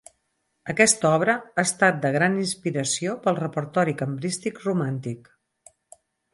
Aquesta obra ha estat de gran inspiració pel repertori cambrístic romàntic.